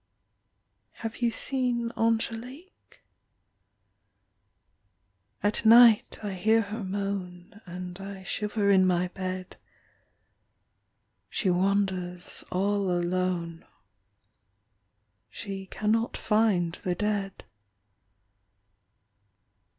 Have you seen Angelique. . At night I hear her moan, And I shiver in my bed; She wanders all alone, She cannot find the dead.